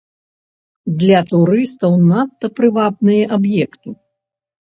Для турыстаў надта прывабныя аб'екты.